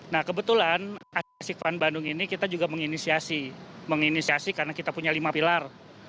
nah kebetulan asik fund bandung ini kita juga menginisiasi karena kita punya lima pilar